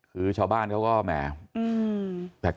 คือชาวบ้านเขาก็แหม